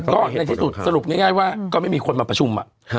ก็เห็นที่สุดสรุปง่ายง่ายว่าก็ไม่มีคนมาประชุมอ่ะค่ะ